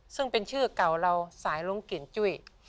ซึ่งเป็นชื่อเก่าเราสายลุ้งกิ่งจุ้ย